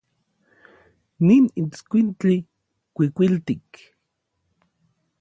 Nin itskuintli kuikuiltik.